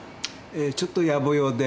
えちょっとやぼ用で。